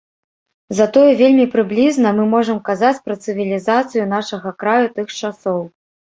Затое вельмі прыблізна мы можам казаць пра цывілізацыю нашага краю тых часоў.